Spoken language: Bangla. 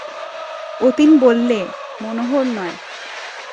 অতীন বললে, মনোহর নয়।